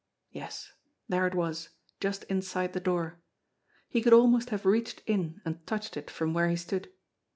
Yes, there it was just inside the door. He could almost have reached in and touched it from where he stood.